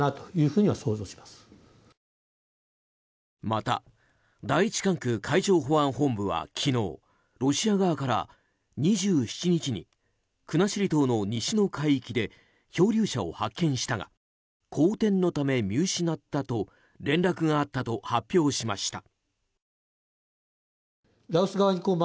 また、第１管区海上保安本部は昨日ロシア側から２７日に国後島の西の海域で漂流者を発見したが荒天のため見失ったと連絡があったと発表しました。